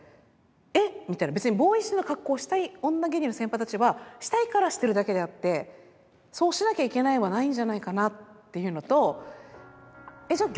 えっみたいな別にボーイッシュな格好をしたい女芸人の先輩たちはしたいからしてるだけであってそうしなきゃいけないはないんじゃないかなっていうのとじゃあ